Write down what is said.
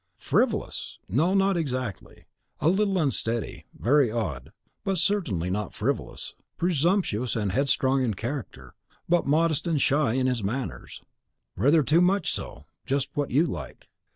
"Frivolous! no, not exactly; a little unsteady, very odd, but certainly not frivolous; presumptuous and headstrong in character, but modest and shy in his manners, rather too much so, just what you like.